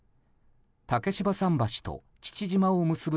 竹芝桟橋と父島を結ぶ